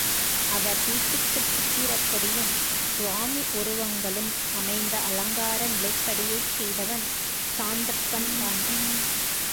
அவர் வீட்டுக்குச் சித்திரக்கொடியும், சுவாமி உருவங்களும் அமைந்த அலங்கார நிலைப்படியைச் செய்தவன் சாந்தப்பன்தான்.